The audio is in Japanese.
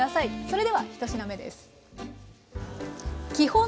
それでは１品目です。